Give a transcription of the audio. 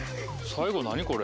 最後何これ？